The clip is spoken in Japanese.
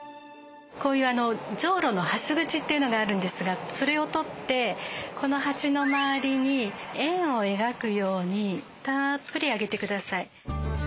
こういうじょうろのはす口というのがあるんですがそれを取ってこの鉢の周りに円を描くようにたっぷりあげてください。